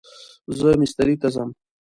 زه مستری ته ځم